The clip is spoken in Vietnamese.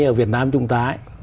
ở việt nam chúng ta